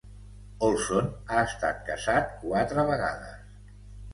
Olson ha estat casat quatre vegades.